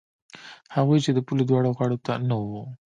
هغوی چې د پولې دواړو غاړو ته نه وو.